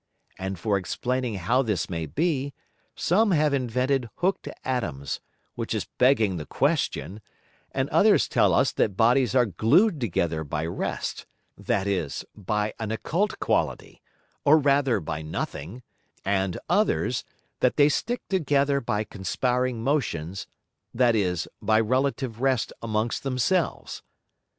And for explaining how this may be, some have invented hooked Atoms, which is begging the Question; and others tell us that Bodies are glued together by rest, that is, by an occult Quality, or rather by nothing; and others, that they stick together by conspiring Motions, that is, by relative rest amongst themselves.